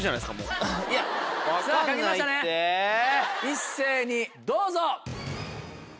一斉にどうぞ。